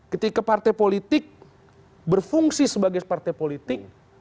ketika partai politik berfungsi sebagai partai politik